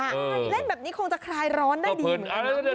เล่นแบบนี้คงจะคลายร้อนได้ดิ